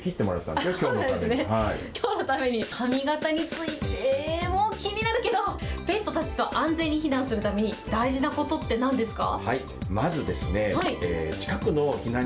髪形についても気になるけど、ペットたちと安全に避難するために大事なことってなんですか。